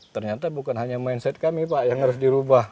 ternyata bukan hanya mindset kami pak yang harus dirubah